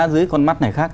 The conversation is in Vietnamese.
dưới con mắt này khác